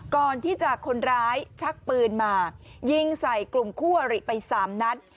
ก่อนที่จะคนร้ายชักปืนมายิงใส่กลุ่มคู่อริไป๓นัด